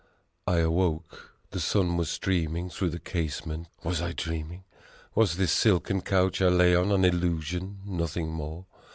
10 I awoke. The sun was streaming through the case ment. Was I dreaming? Was this silken couch I lay on an illusion, nothing more?